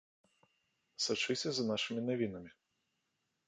Сачыце за нашымі навінамі!